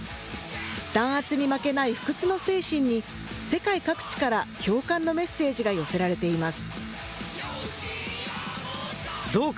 弾圧に負けない不屈の精神に、世界各地から共感のメッセージが寄せられています。